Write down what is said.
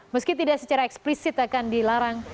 meski tidak secara eksplisit akan dilarang